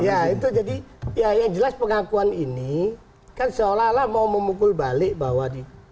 ya itu jadi ya yang jelas pengakuan ini kan seolah olah mau memukul balik bahwa